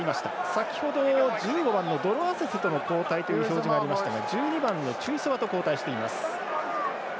先ほど、１５番のドロアセセと交代という表示がありましたが１２番のテュイソバと交代しています。